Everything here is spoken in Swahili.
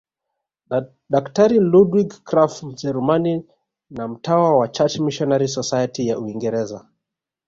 Daktari Ludwig Krapf Mjerumani na mtawa wa Church Missionary Society ya Uingereza